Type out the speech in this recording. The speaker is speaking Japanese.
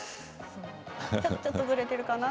ちょっとずれているかな。